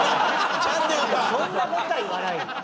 そんな事は言わないよ。